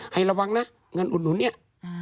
ให้ระวังนะเงินอุดหนุนเนี่ย